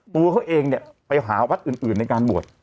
ตัวเขาเองเนี่ยไปหาวัดอื่นในการบวช